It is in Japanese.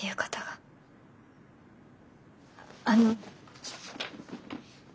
あの。